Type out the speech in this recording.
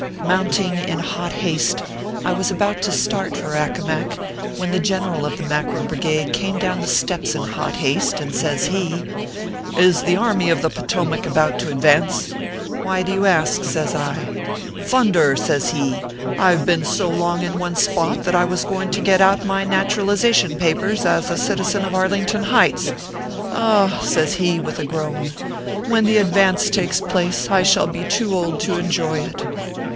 Mounting in hot haste, I was about to start for Accomac, when the General of the Mackerel Brigade came down the steps in hot haste, and says he :" Is the Army of the Potomac about to advance ?" "Why do you ask ?" says I. "Thunder!" says he, "I ve been so long in one spot that I was going to get out my naturalization papers as a citizen of Arlington Heights. Ah !" says he, with a groan, " when the advance takes place I shall be too old to enjoy it."